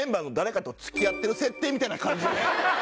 みたいな感じね